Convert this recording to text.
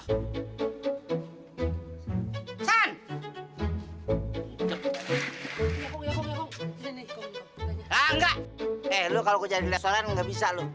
eh lo kalau gue jadi leso kan gak bisa lo